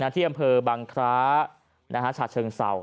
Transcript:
ที่อำเภอบังคร้าฉาเชิงเศร้า